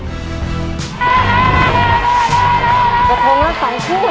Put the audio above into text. ก็เพียงละสองคู่นะครับ